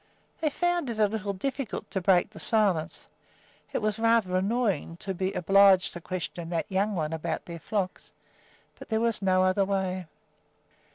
They found it a little difficult to break the silence. It was rather annoying to be obliged to question that "young one" about their flocks; but there was no other way.